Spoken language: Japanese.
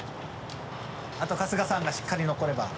あと春日さんがしっかり残れば。